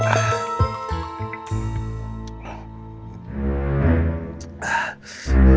kalau dinosaursin umur gw kecil